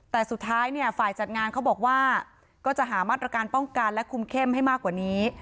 แต่สุดท้ายเนี่ยฝ่ายจัดงานเขาบอกว่าก็จะหามาตรการป้องกันและคุมเข้มให้มากกว่านี้